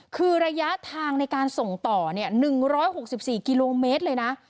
คือระยะทางในการส่งต่อ๑๖๔กิโลเมตรเลยนะ